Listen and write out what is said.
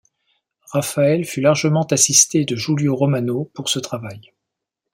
Raphaël fut largement assisté de Giulio Romano pour ce travail.